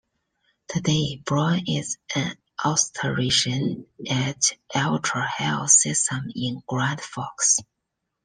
Today, Brown is an obstetrician at Altru Health System in Grand Forks.